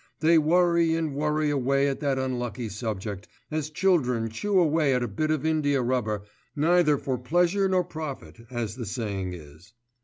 They worry and worry away at that unlucky subject, as children chew away at a bit of india rubber neither for pleasure nor profit, as the saying is.